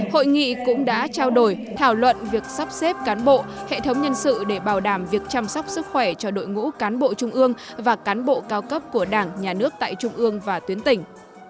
hội nghị cũng đã trao đổi thảo luận việc sắp xếp cán bộ hệ thống nhân sự để bảo đảm việc chăm sóc sức khỏe cho đội ngũ cán bộ trung ương và cán bộ cao cấp của đảng nhà nước tại trung ương và tuyến tỉnh